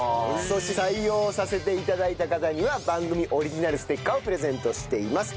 そして採用させて頂いた方には番組オリジナルステッカーをプレゼントしています。